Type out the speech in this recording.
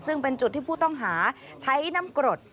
ซึ่งเป็นจุดที่ผู้ต้องหาใช้น้ำกรด